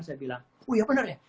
saya bilang oh ya bener ya